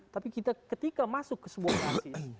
tapi kita ketika masuk ke sebuah basis